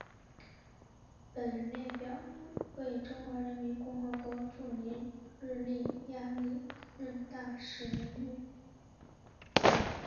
本列表为中华人民共和国驻尼日利亚历任大使名录。